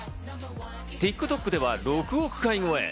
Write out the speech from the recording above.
ＴｉｋＴｏｋでは６億超え。